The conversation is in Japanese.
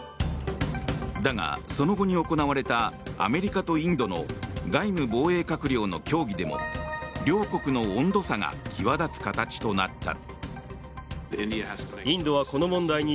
だが、その後に行われたアメリカとインドの外務・防衛閣僚の協議でも両国の温度差が際立つ形となった。